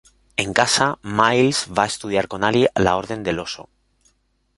En casa, Miles va a estudiar con Allie la Orden del Oso.